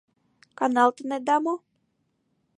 — Каналтынеда мо?